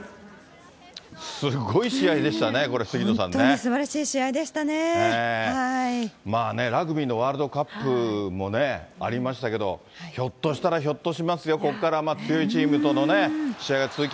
すごい試合でしたね、これ、本当にすばらしい試合でしたまあね、ラグビーのワールドカップもね、ありましたけど、ひょっとしたらひょっとしますよ、ここからは強いチームとのね、そうですね。